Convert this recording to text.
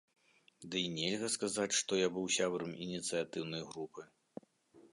Дый нельга сказаць, што я быў сябрам ініцыятыўнай групы.